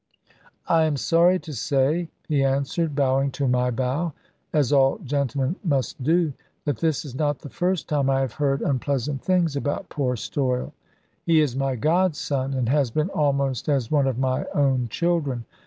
"I am sorry to say," he answered, bowing to my bow, as all gentlemen must do; "that this is not the first time I have heard unpleasant things about poor Stoyle. He is my godson, and has been almost as one of my own children.